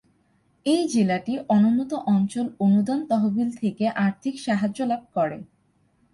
এই জেলাটি অনুন্নত অঞ্চল অনুদান তহবিল থেকে আর্থিক সাহায্য লাভ করে।